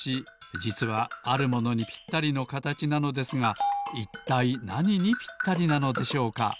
じつはあるものにぴったりのかたちなのですがいったいなににぴったりなのでしょうか？